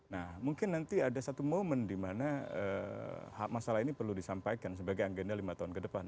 nah mungkin nanti ada satu momen dimana hak masalah ini perlu disampaikan sebagai agenda lima tahun ke depan